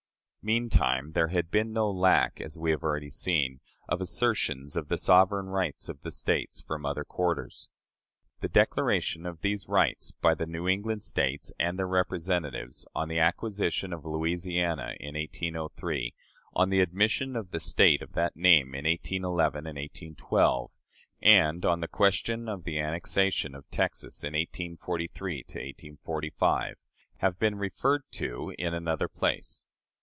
Meantime there had been no lack, as we have already seen, of assertions of the sovereign rights of the States from other quarters. The declaration of these rights by the New England States and their representatives, on the acquisition of Louisiana in 1803, on the admission of the State of that name in 1811 '12, and on the question of the annexation of Texas in 1843 '45, have been referred to in another place.